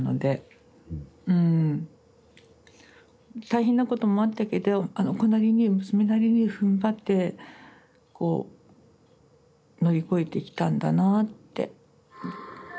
大変なこともあったけどあの子なりに娘なりにふんばってこう乗り越えてきたんだなあって。